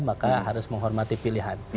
maka harus menghormati pilihan